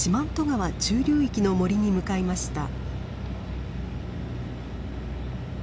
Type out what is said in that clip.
川中流域の森に向かいました。